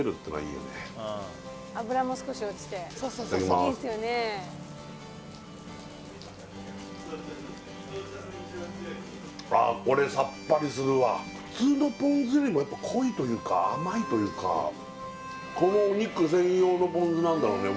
いただきますああ普通のポン酢よりもやっぱ濃いというか甘いというかこのお肉専用のポン酢なんだろうね